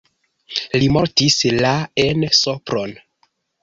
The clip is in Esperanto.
Li mortis la en Sopron.